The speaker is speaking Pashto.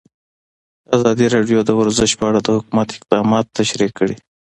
ازادي راډیو د ورزش په اړه د حکومت اقدامات تشریح کړي.